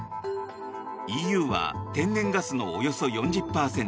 ＥＵは天然ガスのおよそ４０％